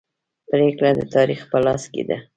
پریکړه د تاریخ په لاس کې ده.